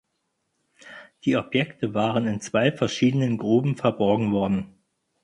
Die Objekte waren in zwei verschiedenen Gruben verborgen worden.